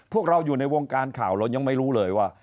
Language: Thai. พวกเราอยู่ในวงการข่าวเรายังไม่รู้เลยว่า